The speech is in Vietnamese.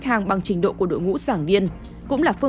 khoảng hai triệu rưỡi đến ba triệu